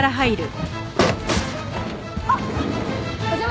あっ！